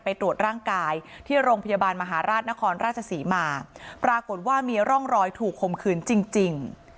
ไปตรวจร่างกายที่โรงพยาบาลมหาราชนครราชศรีมาปรากฏว่ามีร่องรอยถูกคมขืนจริง